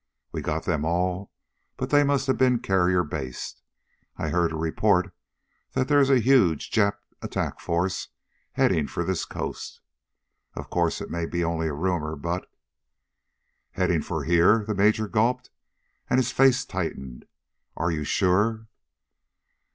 We got them all, but they must have been carrier based. I heard a report that there is a huge Jap attack force heading for this coast. Of course, it may be only a rumor, but " "Heading for here?" the Major gulped, and his face tightened. "Are you sure?"